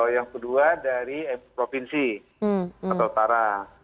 yang kedua dari provinsi atau utara